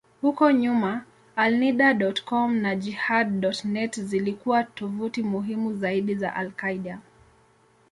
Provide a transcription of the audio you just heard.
Huko nyuma, Alneda.com na Jehad.net zilikuwa tovuti muhimu zaidi za al-Qaeda.